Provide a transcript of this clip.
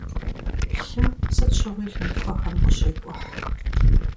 Лъым сыт щыгъуи лъынтхуэхэм къыщекӀухь.